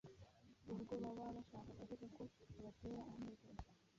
Ubwo baba bashaka kuvuga ko bibatera umunezero,